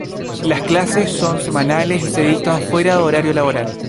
Las clases son semanales y se dictan fuera de horario laboral.